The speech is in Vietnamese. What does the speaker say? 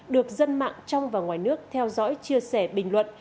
được dân mạng trong và ngoài nước theo dõi chia sẻ bình luận